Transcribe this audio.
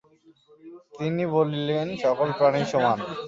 তিনি বলিতেন, সকল প্রাণীই সমান।